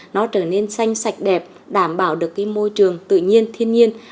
nó trở nên xanh sạch đẹp đảm bảo được cái môi trường tự nhiên thiên nhiên